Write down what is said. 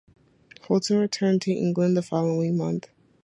Houlton returned to England the following month.